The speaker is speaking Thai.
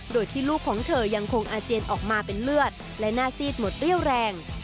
โดยที่ลูกของเธอยังคงอาเจียนออกมาเป็นเลือดและหน้าซีดหมดเรี่ยวแรง